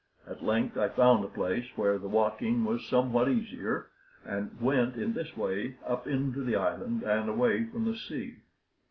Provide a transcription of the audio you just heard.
At length I found a place where the walking was somewhat easier, and went in this way up into the island and away from the sea.